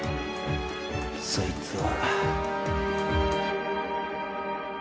そいつは。